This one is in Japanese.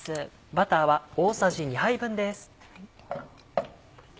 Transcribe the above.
バターは大さじ２杯分です。